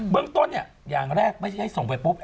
เรื่องต้นเนี่ยอย่างแรกไม่ใช่ให้ส่งไปปุ๊บ